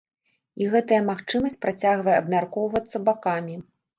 І гэтая магчымасць працягвае абмяркоўвацца бакамі.